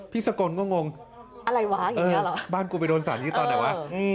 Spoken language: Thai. พี่สะโกนก็งงบ้านกูไปโดนสารยึดตอนไหนวะ